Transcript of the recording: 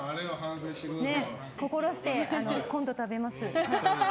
心して今度食べます。